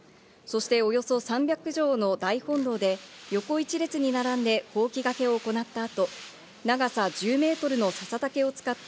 そしておよそ３００畳の大本堂で横１列に並んでほうきがけを行った後、長さ１０メートルの笹竹を使って